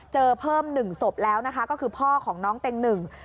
เจอเพิ่มหนึ่งศพแล้วนะคะก็คือพ่อของน้องเต็งหนึ่ง